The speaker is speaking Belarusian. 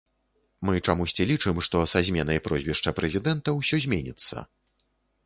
Мы чамусьці лічым, што са зменай прозвішча прэзідэнта ўсё зменіцца.